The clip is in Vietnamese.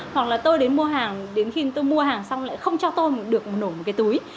hoặc là tôi đến mua hàng đến khi tôi mua hàng xong lại không cho tôi được nổ một cái túi